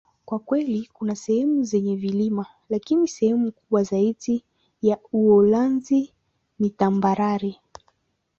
Kwa kweli, kuna sehemu zenye vilima, lakini sehemu kubwa zaidi ya Uholanzi ni tambarare.